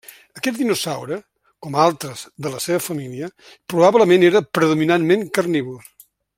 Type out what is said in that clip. Aquest dinosaure, com altres de la seva família, probablement era predominantment carnívor.